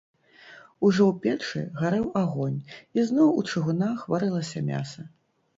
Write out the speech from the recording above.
Ужо ў печы гарэў агонь, і зноў у чыгунах варылася мяса.